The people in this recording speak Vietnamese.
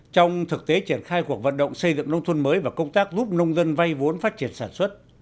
trong thực tế triển khai cuộc vận động xây dựng nông thôn mới và công tác giúp nông dân vay vốn phát triển sản xuất